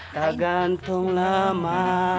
tak gantung lama